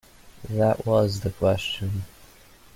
That was the question.